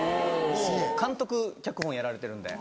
監督脚本やられてるんで。